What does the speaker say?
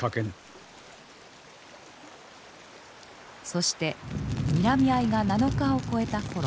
そしてにらみ合いが７日を越えた頃。